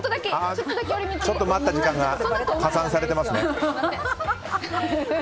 ちょっと待った時間が加算されてますね。